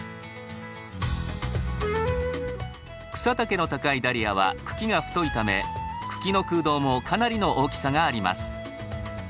草丈の高いダリアは茎が太いため茎の空洞もかなりの大きさがあります。